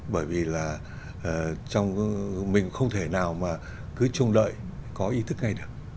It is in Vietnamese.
bởi vì là trong mình không thể nào mà cứ trông đợi có ý thức ngay được